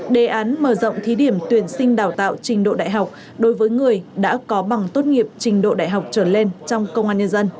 đề án mở rộng thí điểm tuyển sinh đào tạo trình độ đại học đối với người đã có bằng tốt nghiệp trình độ đại học trở lên trong công an nhân dân